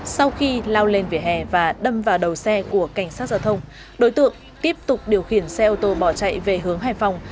sau khi lao lên vỉa hè và đâm vào đầu xe của cảnh sát giao thông đối tượng tiếp tục điều khiển xe ô tô bỏ chạy về hướng hải phòng